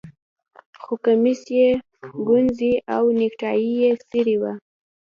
خو کمیس یې ګونځې او نیکټايي یې څیرې وه